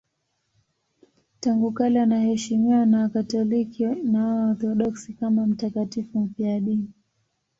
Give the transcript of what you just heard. Tangu kale anaheshimiwa na Wakatoliki na Waorthodoksi kama mtakatifu mfiadini.